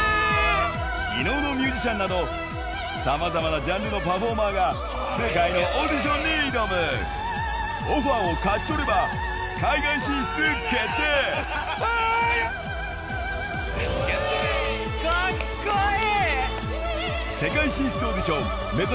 ・異能のミュージシャンなどさまざまなジャンルのパフォーマーが世界のオーディションに挑むオファーを勝ち取れば海外進出決定カッコいい！